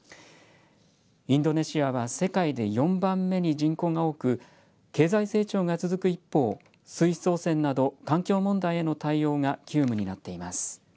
インドネシアは世界で４番目に人口が多く経済成長が続く一方水質汚染など環境問題への対応が急務になっています。